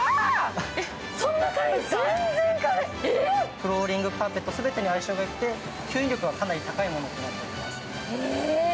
フローリング、カーペット全てに相性がよくて、吸引力がかなり高いものになっております。